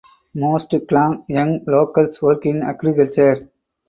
Most Khlong Yong locals work in agriculture.